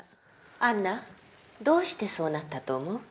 杏奈どうしてそうなったと思う？